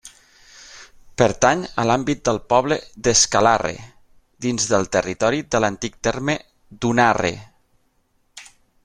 Pertany a l'àmbit del poble d'Escalarre, dins del territori de l'antic terme d'Unarre.